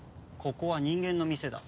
ここは人間の店だ。